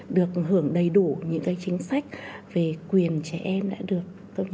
được hưởng đầy đủ những chính sách về quyền trẻ em đã được